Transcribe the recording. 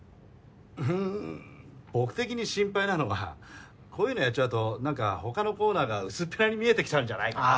うん僕的に心配なのがこういうのやっちゃうと何か他のコーナーが薄っぺらに見えてきちゃうんじゃないかな。